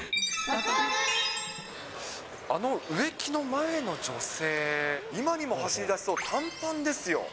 あの植木の前の女性、今にも走りだしそう、短パンですよ。